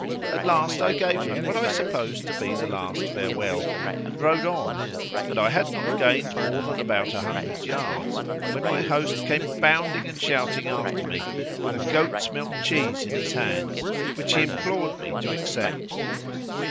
At last I gave him what I supposed to be the last farewell, and rode on, but I had not gained more than about a hundred yards when my host came bounding and shouting after me, with a goat's milk cheese in his hand, which he implored me to accept.